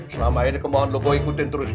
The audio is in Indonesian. selama ini kemohon lo gue ikutin terus